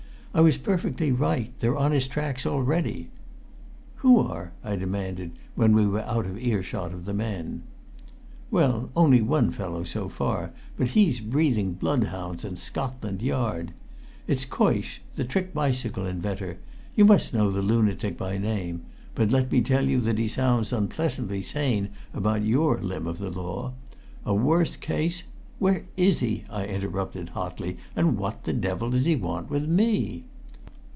"I was perfectly right. They're on his tracks already!" "Who are?" I demanded, when we were out of earshot of the men. "Well, only one fellow so far, but he's breathing blood hounds and Scotland Yard! It's Coysh, the trick bicycle inventor; you must know the lunatic by name; but let me tell you that he sounds unpleasantly sane about your limb of the law. A worse case " "Where is he?" I interrupted hotly. "And what the devil does he want with me?"